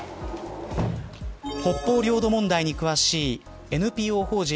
北方領土問題に詳しいＮＰＯ法人